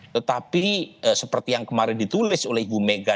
tetapi seperti yang kemarin ditulis oleh ibu mega